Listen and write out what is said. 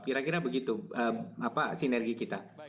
kira kira begitu sinergi kita